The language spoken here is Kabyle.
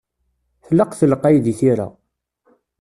Tlaq telqey deg tira.